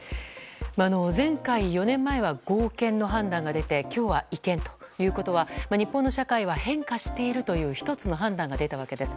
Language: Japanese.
前回、４年前は合憲の判断が出て今日は違憲ということは日本の社会は変化しているという１つの判断が出たわけです。